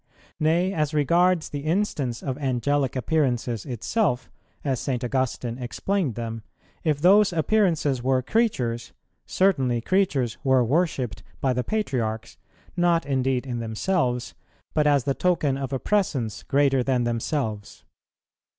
Nay, as regards the instance of Angelic appearances itself, as St. Augustine explained them, if those appearances were creatures, certainly creatures were worshipped by the Patriarchs, not indeed in themselves,[138:1] but as the token of a Presence greater than themselves.